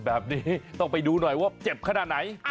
แบบนี้ต้องไปดูหน่อยว่าเจ็บขนาดไหน